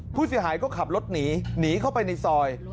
ผู้เสียหายก็ขับรถหนีหนีเข้าไปในซอย